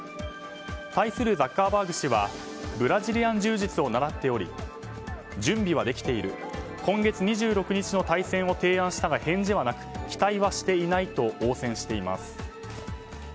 対するザッカーバーグ氏はブラジリアン柔術を習っており準備はできている今月２６日の対戦を提案したが、返事はなく期待はしていないと応戦しています。